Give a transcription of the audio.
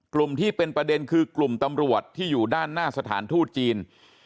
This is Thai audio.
ที่เป็นประเด็นคือกลุ่มตำรวจที่อยู่ด้านหน้าสถานทูตจีน